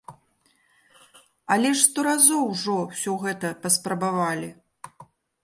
Але ж сто разоў ужо ўсе гэта паспрабавалі.